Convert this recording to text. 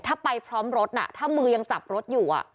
ถ้าไปพร้อมรถถ้ามือยังจับรถอยู่